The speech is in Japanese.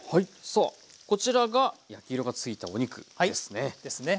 さあこちらが焼き色がついたお肉ですね。